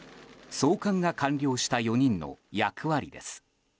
送還が完了した４人の役割です。